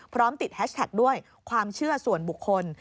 พร้อมติดแฮชแท็กด้วยความเชื่อส่วนบุคคล